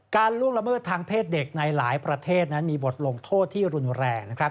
ล่วงละเมิดทางเพศเด็กในหลายประเทศนั้นมีบทลงโทษที่รุนแรง